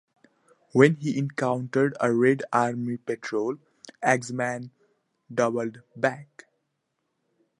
When he encountered a Red Army patrol, Axmann doubled back.